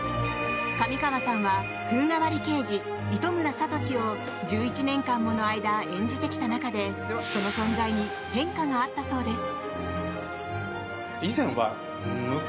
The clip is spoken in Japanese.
上川さんは風変わり刑事、糸村聡を１１年間もの間、演じてきた中でその存在に変化があったそうです。